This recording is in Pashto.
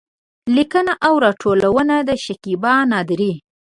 لیکنه او راټولونه: شکېبا نادري